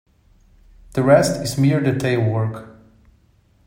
The rest is mere detail work.